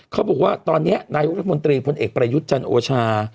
เขาบอกว่าตอนนี้นายกรัฐมนตรีพลเอกประยุทธ์จันทร์โอชา